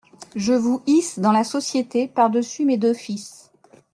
Je vous hisse dans la société par-dessus mes deux fils.